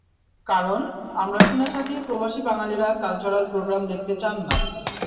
কারণ, আমরা শুনে থাকি প্রবাসী বাঙালিরা কালচারাল প্রোগ্রাম দেখতে চান না।